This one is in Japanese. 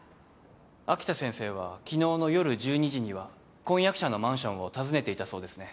秋田先生は昨日の夜１２時には婚約者のマンションを訪ねていたそうですね。